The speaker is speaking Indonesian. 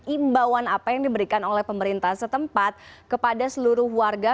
imbauan apa yang diberikan oleh pemerintah setempat kepada seluruh warga